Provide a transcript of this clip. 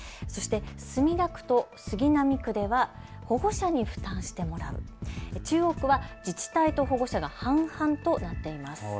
そして墨田区と杉並区では保護者に負担してもらう、中央区は自治体と保護者が半々となっています。